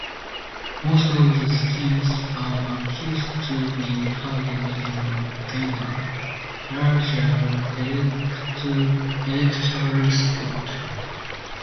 Most of the schemes are accused to be targeting garner larger electoral support.